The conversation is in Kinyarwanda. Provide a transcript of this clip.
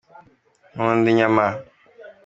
nkunda inyama